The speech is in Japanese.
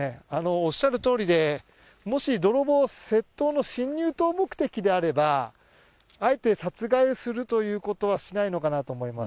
おっしゃるとおりで、もし泥棒、窃盗の侵入目的であれば、あえて殺害するということはしないのかなと思います。